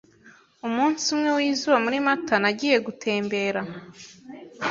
Umunsi umwe wizuba muri Mata, nagiye gutembera.